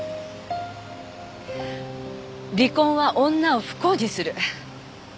離婚は女を不幸にする。